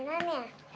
gak mainan ya